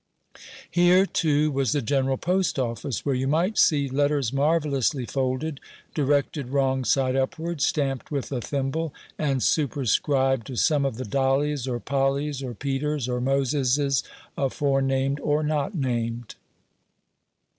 Here, too, was the general post office, where you might see letters marvellously folded, directed wrong side upward, stamped with a thimble, and superscribed to some of the Dollys, or Pollys, or Peters, or Moseses aforenamed or not named.